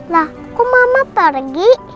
lah kok mama pergi